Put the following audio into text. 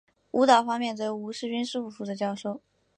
舞蹈方面则由吴世勋师傅负责教授。